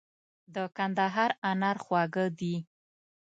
د کندهار انار خواږه دي.